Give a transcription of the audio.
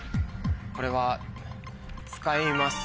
これは使います。